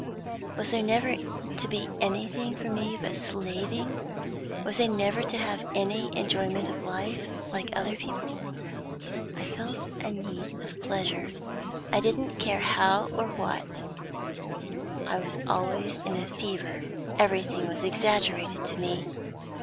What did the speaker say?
Was there never to be anything for me but slaving? Was I never to have any enjoyment of life, like other people? I felt a need of pleasure, I didn't care how or what. I was always in a fever; everything was exaggerated to me.